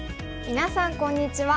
みなさんこんにちは。